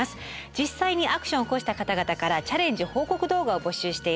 実際にアクションを起こした方々からチャレンジ報告動画を募集しています。